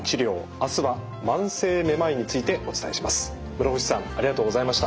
室伏さんありがとうございました。